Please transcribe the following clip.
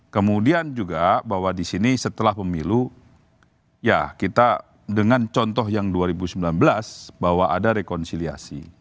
kemudian juga bahwa di sini setelah pemilu ya kita dengan contoh yang dua ribu sembilan belas bahwa ada rekonsiliasi